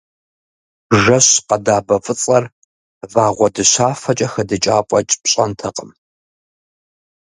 Жэщ къэдабэ фӏыцӏэр вагъуэ дыщафэкӏэ хэдыкӏа фэкӏ пщӏэнтэкъым.